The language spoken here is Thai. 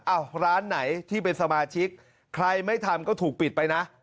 ร้านไหนที่เป็นสมาชิกใครไม่ทำก็ถูกปิดไปนะ